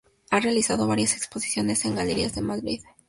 Ha realizado varias exposiciones en galerías de Madrid, Alicante y Palencia.